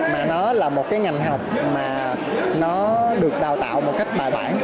mà nó là một cái ngành học mà nó được đào tạo một cách bài bản